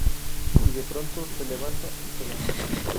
Y de pronto, se levanta y se va.